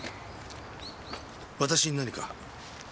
私に何か？